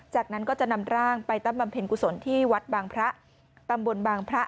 จากนั้นก็จะนำร่างไปตั้งบำเพ็ญกุศลที่วัดบางพระตำบลบางพระ